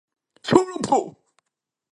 小廢包